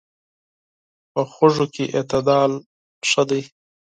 په خوږو کې اعتدال مهم دی.